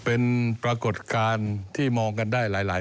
เป็นปรากฏการณ์ที่มองกันได้หลายมุมนะครับ